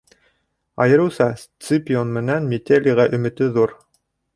Айырыуса Сципион менән Метелийға өмөтө ҙур.